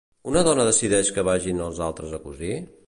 La dona decideix que vagin els altres a cosir?